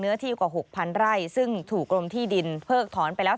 ที่กว่า๖๐๐ไร่ซึ่งถูกกรมที่ดินเพิกถอนไปแล้ว